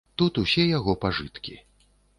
Тут яго ўсе пажыткі.